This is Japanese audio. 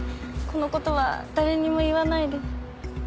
この事は誰にも言わないで。